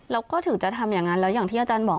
แล้วก็ถึงจะทำอย่างนั้นแล้วอย่างที่อาจารย์บอก